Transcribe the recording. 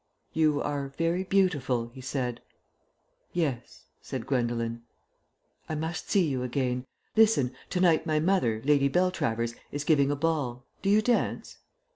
"You are very beautiful," he said. "Yes," said Gwendolen. "I must see you again. Listen! To night my mother, Lady Beltravers, is giving a ball. Do you dance?"